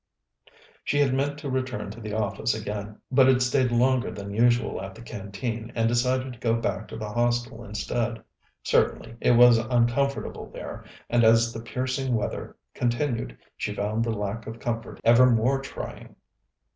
She had meant to return to the office again, but had stayed longer than usual at the Canteen, and decided to go back to the Hostel instead. Certainly, it was uncomfortable there, and as the piercing weather continued, she found the lack of comfort ever more trying.